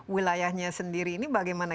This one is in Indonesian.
wilayahnya sendiri ini bagaimana